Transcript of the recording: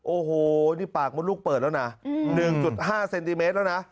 โอ้โหนี่ปากมดลูกเปิดแล้วนะ๑๕เซนติเมตรแล้วนะ